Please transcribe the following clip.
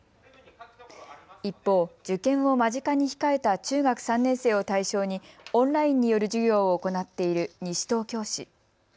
一方、受験を間近に控えた中学３年生を対象にオンラインによる授業を行っている西東京市。